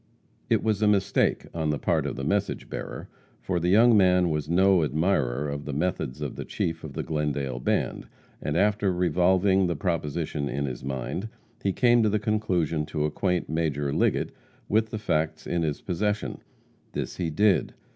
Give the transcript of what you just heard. It was a mistake on the part of the message bearer, for the young man was no admirer of the methods of the chief of the Glendale band, and, after revolving the proposition in his mind, he came to the conclusion to acquaint Major Liggett with the facts in his possession. This he did.